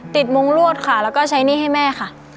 มุงรวดค่ะแล้วก็ใช้หนี้ให้แม่ค่ะ